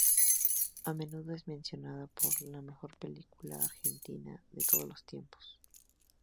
A menudo es mencionada como la mejor película argentina de todos los tiempos.